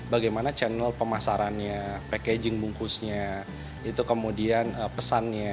bagaimana channel pemasarannya packaging bungkusnya itu kemudian pesannya